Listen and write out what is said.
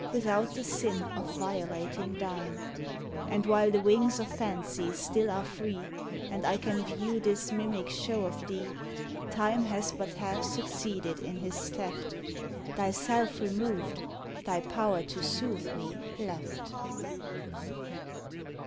Without the sin of violating thine; And, while the wings of fancy still are free, And I can view this mimic show of thee. Time has but half succeeded in his theft, — Thyself removed, thy power to soothe me left.